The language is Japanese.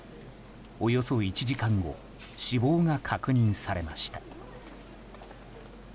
およそ１時間後死亡が確認されました。